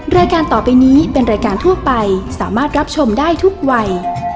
รายการต่อไปนี้เป็นรายการทั่วไปสามารถรับชมได้ทุกวัย